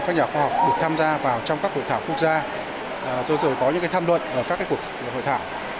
các nhà khoa học được tham gia vào trong các hội thảo quốc gia rồi có những tham luận ở các cuộc hội thảo